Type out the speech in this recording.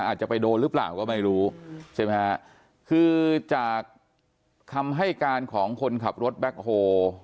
อาจจะไปโดนหรือเปล่าก็ไม่รู้ใช่ไหมฮะคือจากคำให้การของคนขับรถแบ็คโฮ